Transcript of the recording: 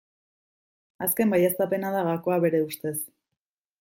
Azken baieztapena da gakoa bere ustez.